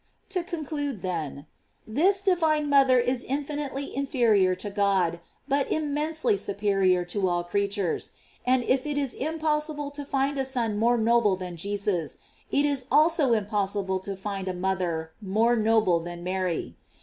To conclude then: this divine mother is infin itely inferior to God, but immensely superior to all creatures; and if it is impossible to find a Son more noble than Jesus, it is also impossible to find a mother more noble than Mary.